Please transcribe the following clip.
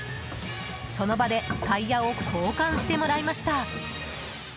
その場でタイヤを交換してもらいました。